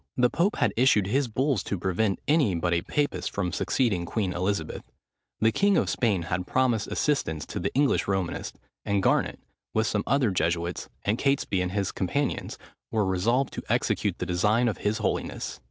The pope had issued his bulls to prevent any but a papist from succeeding Queen Elizabeth; the king of Spain had promised assistance to the English Romanists; and Garnet, with some other Jesuits, and Catesby and his companions, were resolved to execute the designs of his holiness.